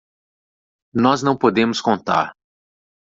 Nós não podemos contar.